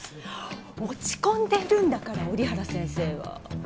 落ち込んでるんだから折原先生は。